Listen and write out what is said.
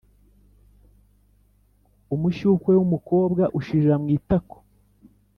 umushyukwe w'umukobwa ushirira mu itako